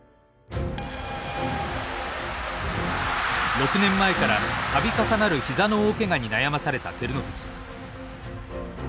６年前から度重なる膝の大けがに悩まされた照ノ富士。